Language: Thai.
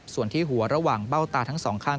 ส่วนที่หัวระหว่างเบ้าตาทั้งสองข้าง